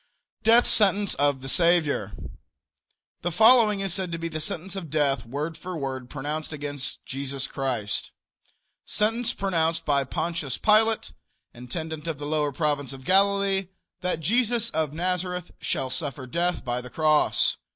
DEATH SENTENCE OF THE SAVIOR. The following is said to be the sentence of death, word for word, pronounced against Jesus Christ: Sentence pronounced by Pontius Pilate, intendent of the lower province of Galilee, that Jesus of Nazareth shall suffer death by the cross.